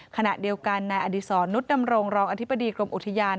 ขณะเดียวกันนายอดีศรนุษดำรงรองอธิบดีกรมอุทยาน